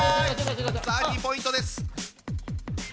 さあ２ポイントです。